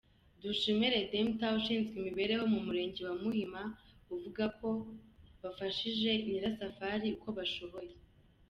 Dushime Redempta ushinzwe imibereho mu murenge wa Muhima uvuga ko bafashije Nyirasafari uko bashoboye.